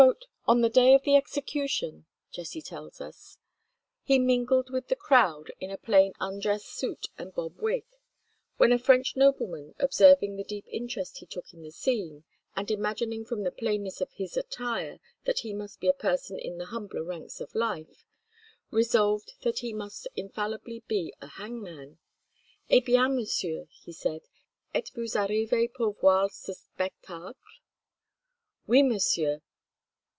"On the day of the execution," Jesse tells us, "he mingled with the crowd in a plain undress suit and bob wig; when a French nobleman, observing the deep interest he took in the scene, and imagining from the plainness of his attire that he must be a person in the humbler ranks of life, resolved that he must infallibly be a hangman. 'Eh bien, monsieur,' he said, 'Etes vous arrivé pour voir ce spectacle?' 'Oui, monsieur.'